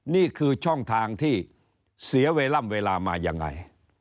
นี่คือช่องทางที่เสียเวลามายังไง